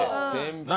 何？